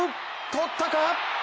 とったか？